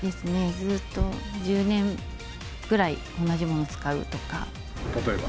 ずっと１０年ぐらい、同じもの使例えば？